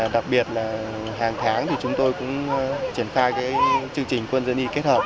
đặc biệt là hàng tháng thì chúng tôi cũng triển khai chương trình quân dân y kết hợp